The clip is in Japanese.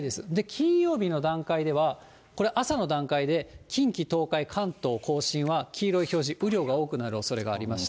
金曜日の段階では、これ、朝の段階で近畿、東海、関東甲信は黄色い表示、雨量が多くなるおそれがありまして。